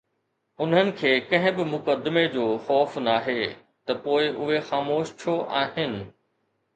انهن کي ڪنهن به مقدمي جو خوف ناهي ته پوءِ اهي خاموش ڇو آهن؟